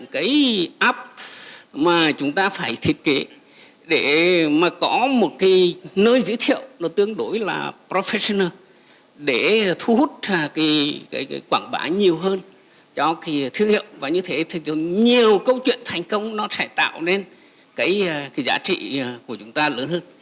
cái app mà chúng ta phải thiết kế để mà có một cái nơi giới thiệu nó tương đối là professional để thu hút ra cái quảng bá nhiều hơn cho cái thương hiệu và như thế nhiều câu chuyện thành công nó sẽ tạo nên cái giá trị của chúng ta lớn hơn